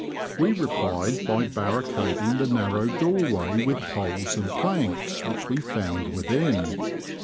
We replied by barricading the narrow doorway with poles and planks which we found within.